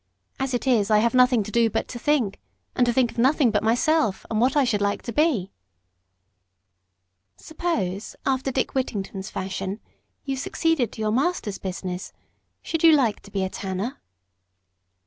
As it is, I have nothing to do but to think, and nothing to think of but myself, and what I should like to be." "Suppose, after Dick Whittington's fashion, you succeeded to your master's business, should you like to be a tanner?"